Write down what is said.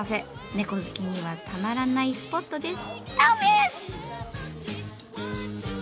猫好きにはたまらないスポットです。